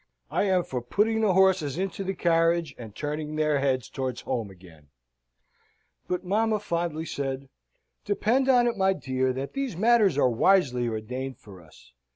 I am for putting the horses into the carriage, and turning their heads towards home again." But mamma fondly said, "Depend on it, my dear, that these matters are wisely ordained for us.